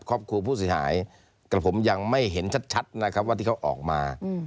ครอบครัวผู้เสียหายแต่ผมยังไม่เห็นชัดนะครับว่าที่เขาออกมา